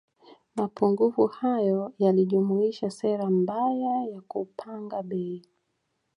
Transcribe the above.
Mapungufu hayo yalijumuisha sera mbaya ya kupanga bei